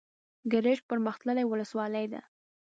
ګرشک پرمختللې ولسوالۍ ده.